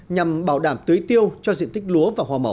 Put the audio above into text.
nhằm bảo đảm tưới tiêu cho diện tích lúa và hoa màu